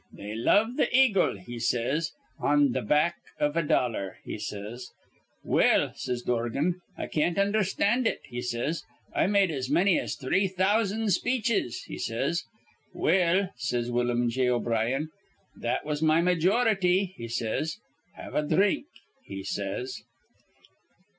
'They love th' eagle,' he says, 'on th' back iv a dollar,' he says. 'Well,' says Dorgan, 'I can't undherstand it,' he says. 'I med as manny as three thousan' speeches,' he says. 'Well,' says Willum J. O'Brien, 'that was my majority,' he says. 'Have a dhrink,' he says."